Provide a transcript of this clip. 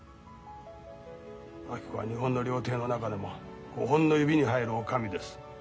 「明子は日本の料亭の中でも五本の指に入る女将です。